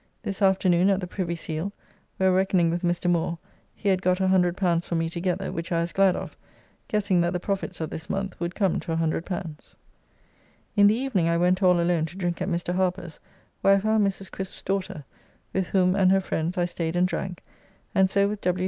This afternoon at the Privy Seal, where reckoning with Mr. Moore, he had got L100 for me together, which I was glad of, guessing that the profits of this month would come to L100. In the evening I went all alone to drink at Mr. Harper's, where I found Mrs. Crisp's daughter, with whom and her friends I staid and drank, and so with W.